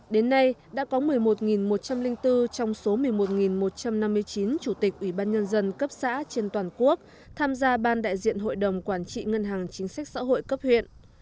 đến nay đã có một mươi một một trăm linh bốn trong số một mươi một một trăm năm mươi chín chủ tịch ủy ban nhân dân cấp xã trên toàn quốc tham gia ban đại diện hội đồng quản trị ngân hàng chính sách xã hội cấp huyện